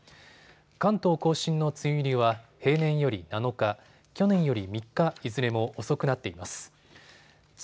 関東甲信の梅雨入りは平年より７日、去年より３日、いずれも遅くなっています。